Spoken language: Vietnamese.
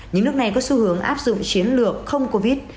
những nước này có xu hướng áp dụng chiến lược không covid